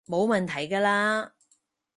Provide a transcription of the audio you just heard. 冇問題㗎喇